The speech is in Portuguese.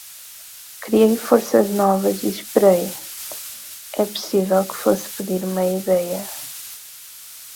Criei forças novas e esperei...é possível que fosse pedir uma ideia...